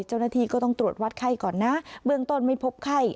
เจ้าหน้าที่ก็ต้องตรวจวัดไข้ก่อนนะเบื้องต้นไม่พบไข้